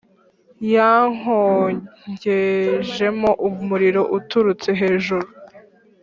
Yankongejemo umuriro uturutse hejuru,